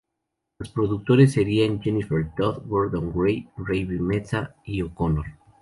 Los productores serían Jennifer Todd, Gordon Gray, Ravi Mehta y O'Connor.